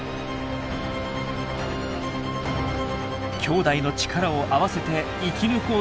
きょうだいの力を合わせて生き抜こうとする子供たち。